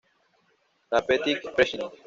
Le Petit-Pressigny